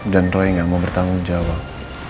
dan roy gak mau bertanggung jawab